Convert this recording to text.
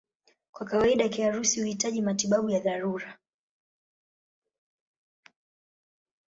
Kwa kawaida kiharusi huhitaji matibabu ya dharura.